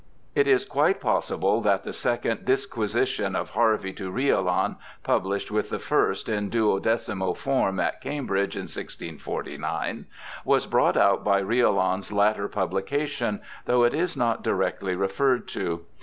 It is quite possible that the second Disquisition of Harvey to Riolan, pubHshed with the first in duodecimo form at Cambridge in 1649, was brought out by Riolan's latter publication, though it is not directly referred to.